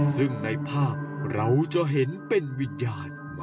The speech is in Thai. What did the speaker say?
ซึ่งในภาพเราจะเห็นเป็นวิญญาณมาในตอนนี้